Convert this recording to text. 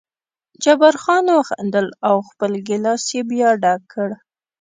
جبار خان وخندل او خپل ګیلاس یې بیا ډک کړ.